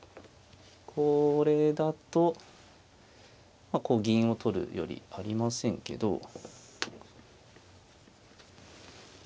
これだとこう銀を取るよりありませんけど。